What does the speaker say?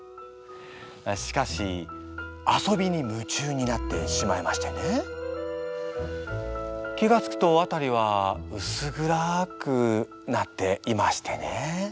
しかし遊びに夢中になってしまいましてね気がつくとあたりはうす暗くなっていましてね